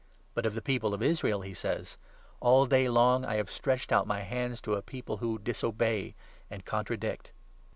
But of the people of Israel he says — 21 4 All day long I have stretched out my hands to a people who disobey and contradict.'